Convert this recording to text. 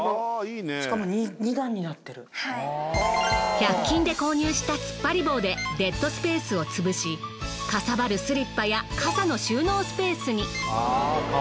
１００均で購入したつっぱり棒でデッドスペースを潰しかさばるスリッパや傘の収納スペースに。